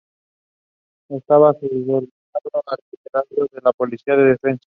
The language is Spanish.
Estaba subordinado al liderazgo de la policía de defensa.